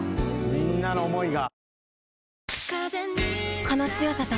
みんなの思いが。